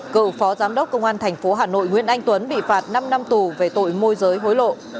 cựu phó giám đốc công an tp hà nội nguyễn anh tuấn bị phạt năm năm tù về tội môi giới hối lộ